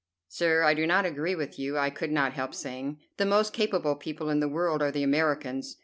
"Sir, I do not agree with you," I could not help saying. "The most capable people in the world are the Americans.